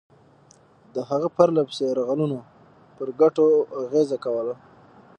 د هغه پرله پسې یرغلونو پر ګټو اغېزه کوله.